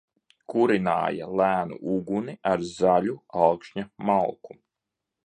Kurināja lēnu uguni ar zaļu alkšņa malku.